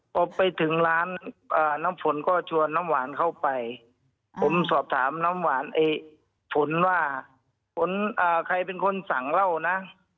พอไปถึงร้านน้ำฝนก็ชวนน้ำหวานเข้าไปผมสอบถามน้ำหวานฝนว่าใครเป็นคนสั่งเหล้านะ